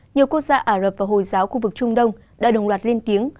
nhiều quốc gia ả rập và hồi giáo khu vực trung đông đã đồng loạt lên tiếng